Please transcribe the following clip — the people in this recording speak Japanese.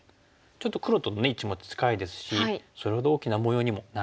ちょっと黒との位置も近いですしそれほど大きな模様にもならないですよね。